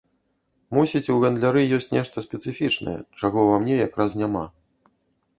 Мусіць, у гандляры ёсць нешта спецыфічнае, чаго ва мне якраз няма.